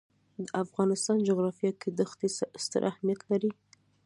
د افغانستان جغرافیه کې دښتې ستر اهمیت لري.